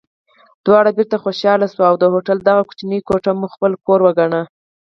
دواړه بېرته خوشحاله شوو او د هوټل دغه کوچنۍ کوټه مو خپل کور وګاڼه.